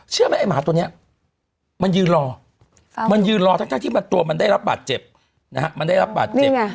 เชื่อไหมไอ้หมาตัวนี้มันยืนรอมันยืนรอทั้งที่ตัวมันได้รับบาดเจ็บนะฮะมันได้รับบาดเจ็บ